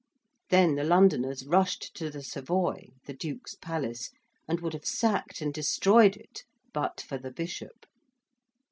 Then the Londoners rushed to the Savoy, the Duke's palace, and would have sacked and destroyed it but for the Bishop.